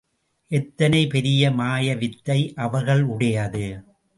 எத்தனை பெரிய மாயவித்தை அவர்களுடையது?